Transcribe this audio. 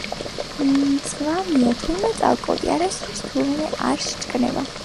მწვანეა თურმე წალკოტი არასდროს თურმე არ სჭკნება.